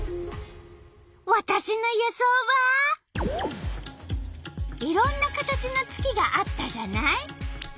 わたしの予想はいろんな形の月があったじゃない？